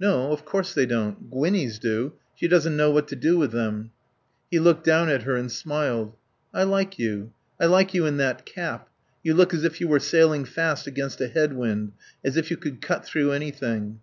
"No. Of course they don't. Gwinnie's do. She doesn't know what to do with them." He looked down at her and smiled. "I like you. I like you in that cap. You look as if you were sailing fast against a head wind, as if you could cut through anything."